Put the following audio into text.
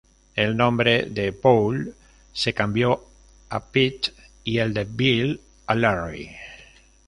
El nombre de Boule se cambió a Pete y el de Bill, a Larry.